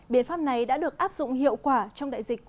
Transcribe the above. biện pháp này đã được áp dụng hiệu quả trong đại dịch